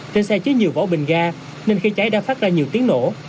trên xe chứa nhiều vỏ bình ga nên khi cháy đã phát ra nhiều tiếng nổ